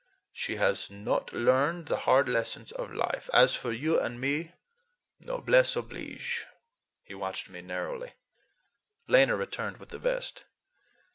She has not learned the hard lessons of life. As for you and me, noblesse oblige,"—he watched me narrowly. Lena returned with the vest.